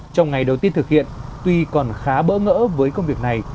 trong ngày đầu tiên thực hiện tuy còn khá bỡ ngỡ với công việc này